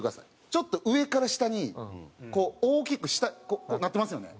ちょっと上から下に大きく下こうなってますよね。